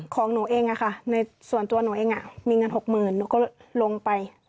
ของหนูเองอะค่ะในส่วนตัวหนูเองอะมีเงินหกหมื่นหนูก็ลงไป